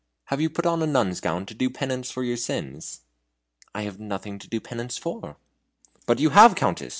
Have you put on a nun's gown to do penance for your sins?" "I have nothing to do penance for." "But you have, Countess!